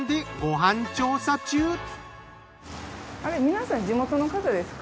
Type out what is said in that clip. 皆さん地元の方ですか？